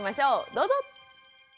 どうぞ！